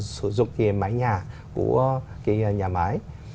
sử dụng cái máy nhà của cái nhà máy